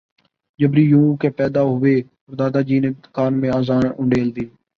جبری یوں کہ پیدا ہوئے اور دادا جی نے کان میں اذان انڈیل دی